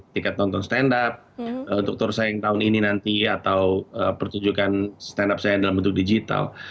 tiket tonton stand up untuk tour saing tahun ini nanti atau pertunjukan stand up saya dalam bentuk digital